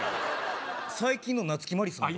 最近の夏木マリさん